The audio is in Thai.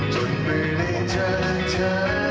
จนไม่ได้เจอเธอ